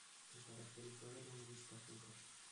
È caratterizzato da una vista acuta.